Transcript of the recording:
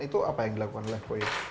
itu apa yang dilakukan oleh voice